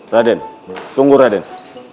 raden tunggu raden